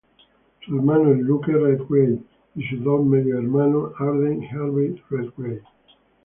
Su hermano es Luke Redgrave y sus dos medio hermanos Arden y Harvey Redgrave.